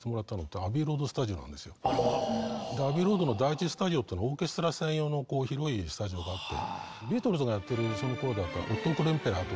アビー・ロードの第１スタジオってオーケストラ専用の広いスタジオがあって。